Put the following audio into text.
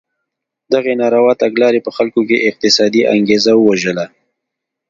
دغې ناروا تګلارې په خلکو کې اقتصادي انګېزه ووژله.